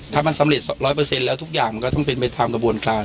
ถ้ามันสำเร็จร้อยเปอร์เซ็นต์แล้วทุกอย่างมันก็ต้องเป็นไปทำกระบวนกลาง